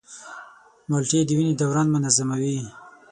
مالټې د وینې دوران منظموي.